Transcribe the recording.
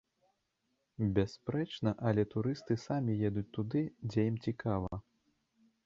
Бясспрэчна, але турысты самі едуць туды, дзе ім цікава.